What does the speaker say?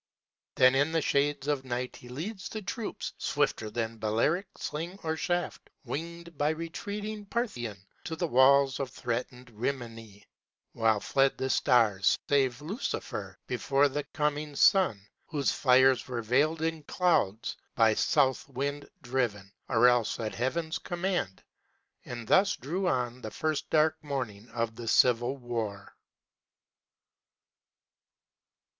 Then in the shades of night he leads the troops Swifter than Balearic sling or shaft Winged by retreating Parthian, to the walls Of threatened Rimini, while fled the stars, Save Lucifer, before the coming sun, Whose fires were veiled in clouds, by south wind driven, Or else at heaven's command: and thus drew on The first dark morning of the civil war.